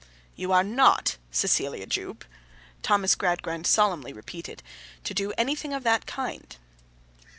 'You are not, Cecilia Jupe,' Thomas Gradgrind solemnly repeated, 'to do anything of that kind.